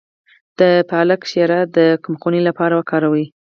د پالک شیره د کمخونۍ لپاره وکاروئ